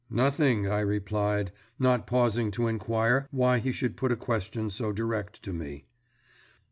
"Nothing," I replied, not pausing to inquire why he should put a question so direct to me.